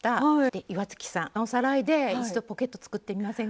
岩槻さんおさらいで一度ポケット作ってみませんか？